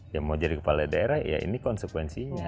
yang mau jadi kepala daerah ya ini konsekuensinya